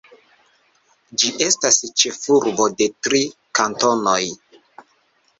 Ĝi estas ĉefurbo de tri kantonoj.